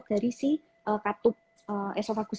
dari si katup esophagus